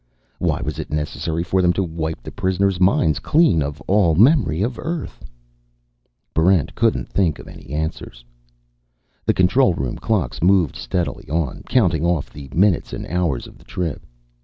Why was it necessary for them to wipe the prisoners' minds clean of all memory of Earth? Barrent couldn't think of any answers. The control room clocks moved steadily on, counting off the minutes and hours of the trip.